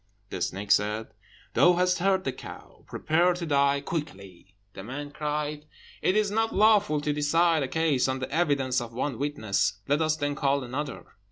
The snake said, "Thou hast heard the cow; prepare to die quickly." The man cried, "It is not lawful to decide a case on the evidence of one witness, let us then call another."